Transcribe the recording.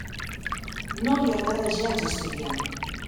No li agrada gens estudiar.